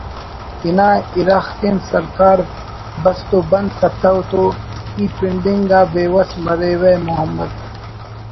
انا اِرغ کن سرکار بست و بند کتو تو ای پنڈنگ آ بیوس مریوہ محمد